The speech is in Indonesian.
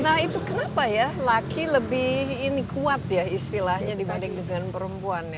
nah itu kenapa ya laki lebih ini kuat ya istilahnya dibanding dengan perempuan ya